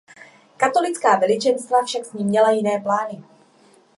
Katolická veličenstva však s ní měla jiné plány.